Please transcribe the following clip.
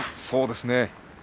そうですね。